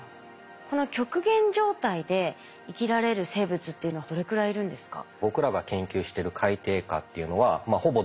この極限状態で生きられる生物っていうのはどれくらいいるんですか？